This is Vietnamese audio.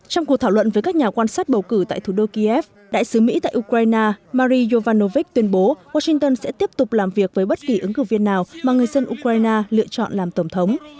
trong cuộc thảo luận với các nhà quan sát bầu cử tại thủ đô kiev đại sứ mỹ tại ukraine mari yovanovich tuyên bố washington sẽ tiếp tục làm việc với bất kỳ ứng cử viên nào mà người dân ukraine lựa chọn làm tổng thống